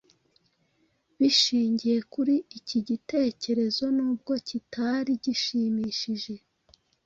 bishingiye kuri iki gitekerezonubwo kitari gishimishije